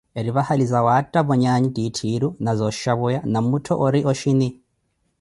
Eri vahali zawattavo nyaanyi titthiru na zooxhapweya na muuttho ori oxhini.